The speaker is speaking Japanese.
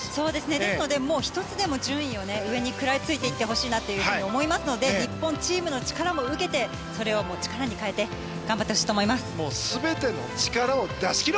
ですので、１つでも順位を上に食らいついていってほしいので日本、チームの力も受けてそれをも力に変えて頑張ってほしいと思います。